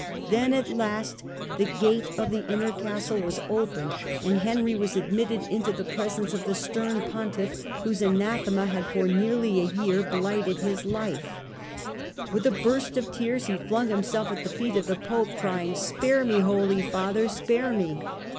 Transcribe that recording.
Then at last the gate of the inner castle was opened Digitized by VjOOQIC Canossa 131 and Henry was admitted into the presence of the stern pontiff whose anathema had for nearly a year blighted He is re ^^^®* With a burst of tears he flung him l^mS self at the feet of the pope, crying * Spare me, cation jjQiy father, spare me